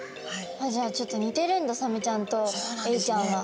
じゃあちょっと似てるんだサメちゃんとエイちゃんは。